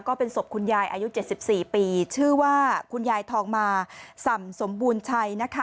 ก็เป็นศพคุณยายอายุ๗๔ปีชื่อว่าคุณยายทองมาส่ำสมบูรณ์ชัยนะคะ